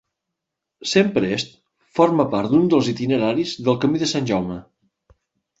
Saint-Priest forma part d'un dels itineraris del Camí de Sant Jaume.